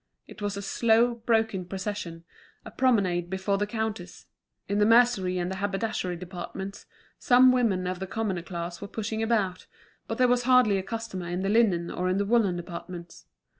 It was a slow, broken procession, a promenade before the counters; in the mercery and the haberdashery departments some women of the commoner class were pushing about, but there was hardly a customer in the linen or in the woollen departments.